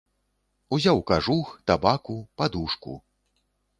Узяў кажух, табаку, падушку.